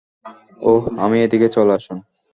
ওহ, আমি —- এদিকে চলে আসুন।